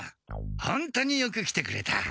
本当によく来てくれた。